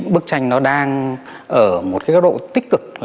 bức tranh đang ở một độ tích cực